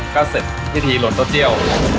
ก็เสร็จทีทีลงต้นเต้าเจี่ยว